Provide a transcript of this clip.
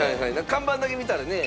看板だけ見たらね。